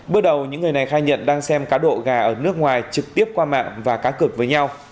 bước đầu những người này khai nhận đang xem cá độ gà ở nước ngoài trực tiếp qua mạng và cá cược với nhau